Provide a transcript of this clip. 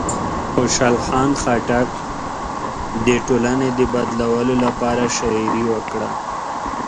خوشحال خان خټک د ټولنې د بدلولو لپاره شاعري وکړه.